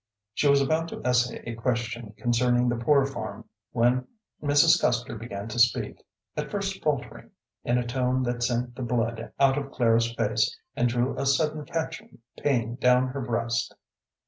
She was about to essay a question concerning the Poor Farm, when Mrs. Custer began to speak, at first faltering, in a tone that sent the blood out of Clara's face and drew a sudden catching pain down her breast.